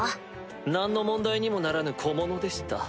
何の問題にもならぬ小者でした。